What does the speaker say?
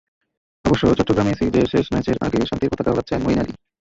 অবশ্য চট্টগ্রামে সিরিজের শেষ ম্যাচের আগে শান্তির পতাকা ওড়াচ্ছেন মঈন আলী।